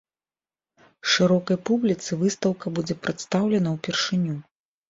Шырокай публіцы выстаўка будзе прадстаўлена ўпершыню.